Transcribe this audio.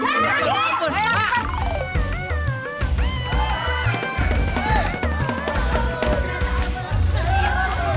eeeh biar kelihatan